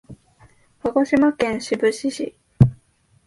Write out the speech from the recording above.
鹿児島県志布志市